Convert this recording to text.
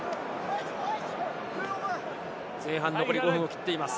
前半残り５分を切っています。